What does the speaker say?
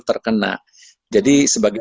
terkena jadi sebagai